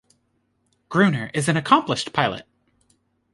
Gruener is an accomplished pilot.